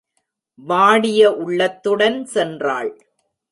வாடிய உள்ளத்துடன் சென்றாள்.